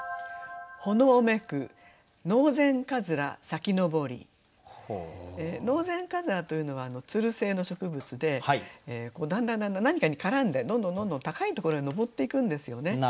「のうぜんかづら」というのはつる性の植物でだんだんだんだん何かに絡んでどんどんどんどん高いところに上っていくんですよね。